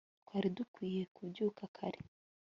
twari dukwiye kubyuka kare